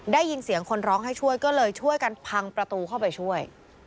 ได้ยินเสียงคนร้องให้ช่วยก็เลยช่วยกันพังประตูเข้าไปช่วย